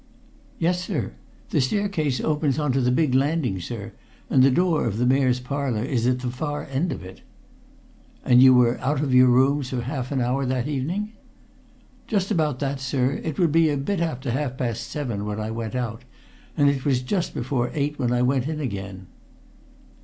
"Yes, sir. The staircase opens on to the big landing, sir, and the door of the Mayor's Parlour is at the far end of it." "And you were out of your rooms for half an hour that evening?" "Just about that, sir. It would be a bit after half past seven when I went out, and it was just before eight when I went in again."